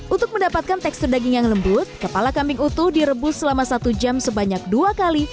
untuk mendapatkan tekstur daging yang lembut kepala kambing utuh direbus selama satu jam sebanyak dua kali